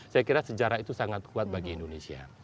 saya kira sejarah itu sangat kuat bagi indonesia